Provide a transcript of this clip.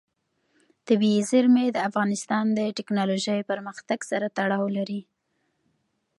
طبیعي زیرمې د افغانستان د تکنالوژۍ پرمختګ سره تړاو لري.